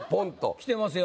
きてますよ。